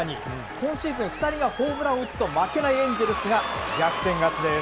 今シーズン、２人がホームランを打つと負けないエンジェルスが逆転勝ちです。